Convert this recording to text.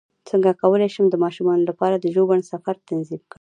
څنګه کولی شم د ماشومانو لپاره د ژوبڼ سفر تنظیم کړم